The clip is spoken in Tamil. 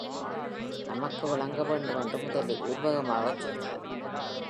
நமக்கு விளங்க வேண்டுமென்று முதலில் உருவகமாகச் சொன்னார்.